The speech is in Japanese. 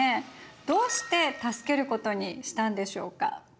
どうして助けることにしたんでしょうか。